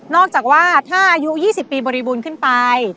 จากว่าถ้าอายุ๒๐ปีบริบูรณ์ขึ้นไป